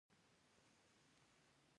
افغانستان د زردالو د پلوه ځانته ځانګړتیا لري.